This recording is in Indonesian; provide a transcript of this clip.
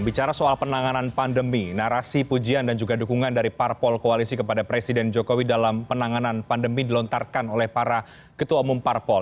bicara soal penanganan pandemi narasi pujian dan juga dukungan dari parpol koalisi kepada presiden jokowi dalam penanganan pandemi dilontarkan oleh para ketua umum parpol